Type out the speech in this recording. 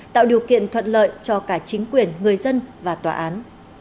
tạo điều kiện thuận lợi cho cả chính quyền người dân và tòa án